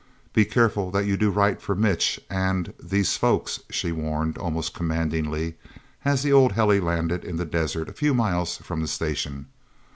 "Be careful that you do right for Mitch and these folks," she warned almost commandingly as the old heli landed in the desert a few miles from the Station.